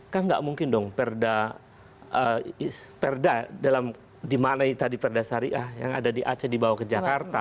kan nggak mungkin dong perda perda dimana tadi perda syariah yang ada di aceh dibawa ke jakarta